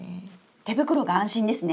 手袋が安心ですね。